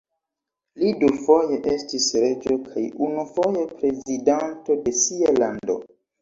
Li dufoje estis reĝo kaj unufoje prezidanto de sia lando.